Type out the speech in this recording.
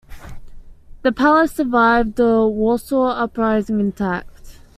The palace survived the Warsaw Uprising intact.